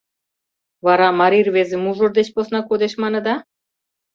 Вара марий рвезе мужыр деч посна кодеш, маныда?